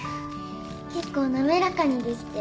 結構滑らかにできてる